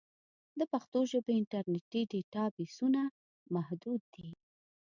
د پښتو ژبې انټرنیټي ډیټابېسونه محدود دي.